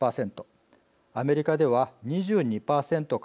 アメリカでは２２％から１５％